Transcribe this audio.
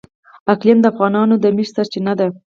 اقلیم د افغانانو د معیشت سرچینه ده.